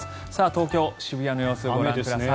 東京・渋谷の様子ご覧ください。